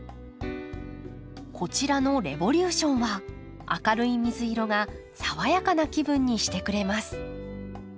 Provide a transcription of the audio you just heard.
こちらのレボリューションは明るい水色が爽やかな気分にしてくれます。